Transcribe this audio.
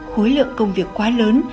khối lượng công việc quá lớn